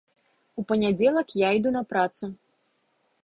У панядзелак я іду на працу.